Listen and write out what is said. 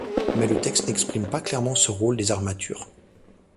Mais le texte n’exprime pas clairement ce rôle des armatures.